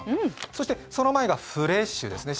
そしてその前が「フレッシュ！」ですね。